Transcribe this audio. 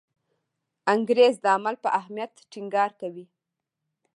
انګریز د عمل په اهمیت ټینګار کوي.